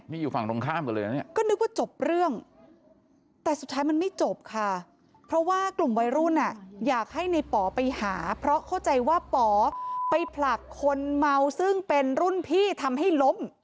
นี่อยู่ฝั่งตรงข้ามกันเลยนะเนี่ยก็นึกว่าจบเรื่องแต่สุดท้ายมันไม่จบค่ะเพราะว่ากลุ่มวัยรุ่นอ่ะอยากให้ในป๋อไปหาเพราะเข้าใจว่าป๋อไปผลักคนเมาซึ่งเป็นรุ่นพี่ทำให้ล้ม